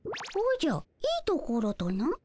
おじゃいいところとな？